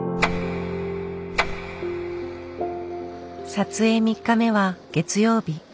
撮影３日目は月曜日。